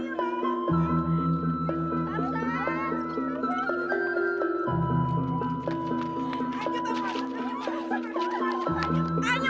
kalau jalannya pelan begini menulu kapan sampai rumenya